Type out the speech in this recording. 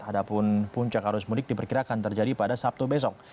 adapun puncak arus mudik diperkirakan terjadi pada sabtu besok